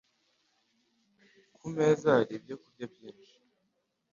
Ku meza hari ibyokurya byinshi.